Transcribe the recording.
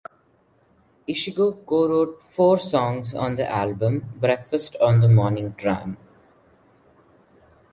Ishiguro co-wrote four songs on the album "Breakfast on the Morning Tram".